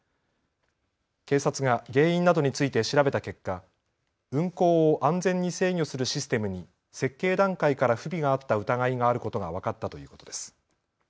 警察が原因などについて調べた結果、運行を安全に制御するシステムに設計段階から不備があった疑いがあることが分かったということです。